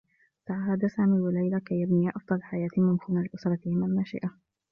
تعاهدا سامي و ليلى كي يبنيا أفضل حياة ممكنة لأسرتهما النّاشئة.